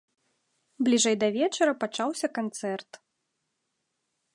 Бліжэй да вечара пачаўся канцэрт.